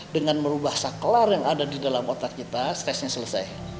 dengan merubah saklar yang ada di dalam otak kita stresnya selesai